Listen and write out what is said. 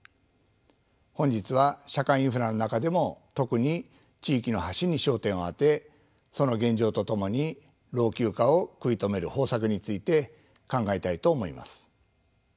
本日は社会インフラの中でも特に地域の橋に焦点を当てその現状とともに老朽化を食い止める方策について考えたいと思います。